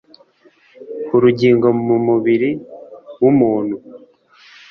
urugingo mu mubiri w umuntu